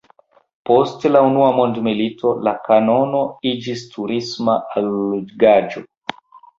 Post la Unua Mondmilito la kanono iĝis turisma allogaĵo.